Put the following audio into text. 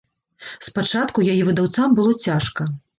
Спачатку яе выдаўцам было цяжка.